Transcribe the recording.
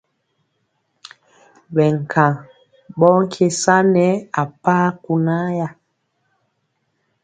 Ɓɛ nkaŋ ɓɔ nkye sa nɛ a paa kunaaya.